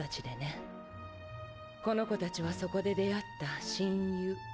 この子たちはそこで出会った親友。